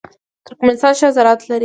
ترکمنستان ښه زراعت لري.